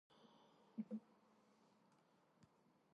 პირველში ჟღერს დიალოგის ფრაგმენტები.